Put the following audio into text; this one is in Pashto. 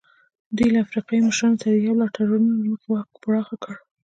دوی له افریقایي مشرانو سره د یو لړ تړونونو له مخې واک پراخ کړ.